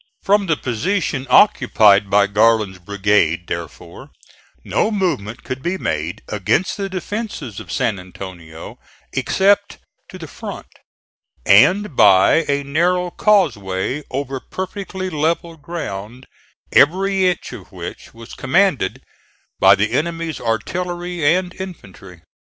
From the position occupied by Garland's brigade, therefore, no movement could be made against the defences of San Antonio except to the front, and by a narrow causeway, over perfectly level ground, every inch of which was commanded by the enemy's artillery and infantry.